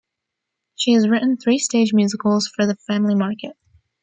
She has written three stage musicals for the family market.